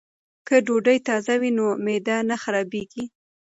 که ډوډۍ تازه وي نو معده نه خرابیږي.